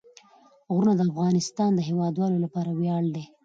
غرونه د افغانستان د هیوادوالو لپاره ویاړ دی.